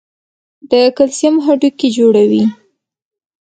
د کلسیم هډوکي جوړوي.